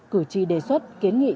cử tri đề xuất kiến nghị